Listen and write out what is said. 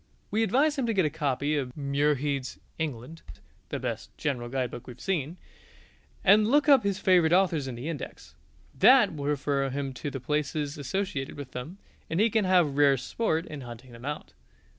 We advise him to get a copy of Muirhead's "England" (the best general guidebook we have seen) and look up his favourite authors in the index. That will refer him to the places associated with them, and he can have rare sport in hunting them out.